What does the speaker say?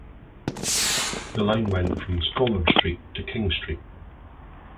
The line went from Scollard Street to King Street.